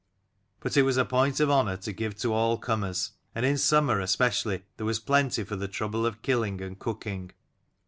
But it was a point of honour to give to all comers : and in summer especially there was plenty for the trouble of killing and cooking.